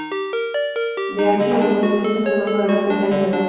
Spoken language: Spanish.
De ancho y algunas veces son más largas que el tallo de la flor.